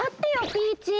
ピーチー！